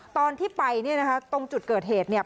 ตอนที่ไปเนี่ยนะคะตรงจุดเกิดเหตุเนี่ย